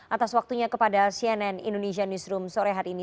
atas waktunya kepada cnn indonesia newsroom sore hari ini